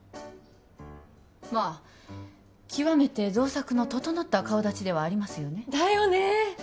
まあ極めて造作の整った顔立ちではありますよねだよね